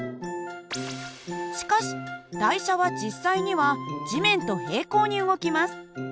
しかし台車は実際には地面と平行に動きます。